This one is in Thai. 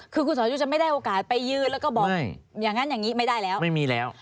คือคุณสรยุทธ์จะไม่ได้โอกาสไปยืนแล้วก็บอกอย่างนั้นอย่างนี้ไม่ได้แล้วไม่มีแล้ว